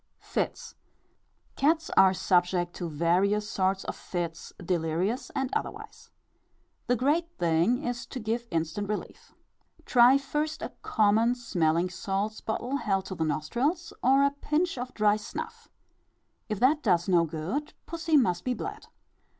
Fits. Cats are subject to various sorts of fits, delirious and otherwise. The great thing is to give instant relief. Try first a common smelling salts bottle held to the nostrils, or a pinch of dry snuff; if that does no good, pussy must be bled.